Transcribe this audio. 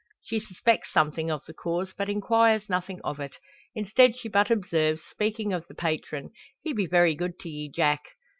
She suspects something of the cause, but inquires nothing of it. Instead, she but observes, speaking of the patron: "He be very good to ye, Jack."